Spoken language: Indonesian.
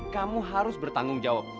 kamu harus bertanggung jawab